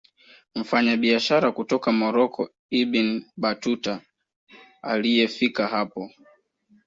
Mfanyabiashara kutoka Morocco Ibn Batuta aliyefika hapo